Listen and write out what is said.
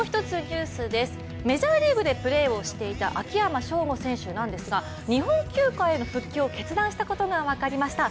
メジャーリーグでプレーをしていた秋山翔吾選手なんですが日本球界への復帰を決断したことが分かりました。